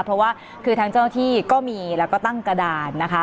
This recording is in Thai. เพราะว่าคือทางเจ้าหน้าที่ก็มีแล้วก็ตั้งกระดานนะคะ